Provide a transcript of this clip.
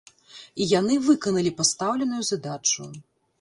І яны выканалі пастаўленую задачу.